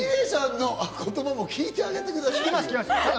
ｍｉｌｅｔさんの言葉も聞いてあげてくださいよ。